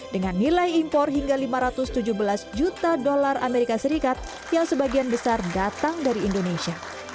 dengan nilai impor hingga lima ratus tujuh belas juta dolar amerika serikat yang sebagian besar datang dari indonesia